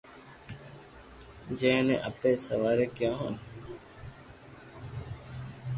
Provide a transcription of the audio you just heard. جي ني اپي سواري ڪيو هون